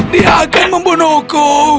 dia akan membunuhku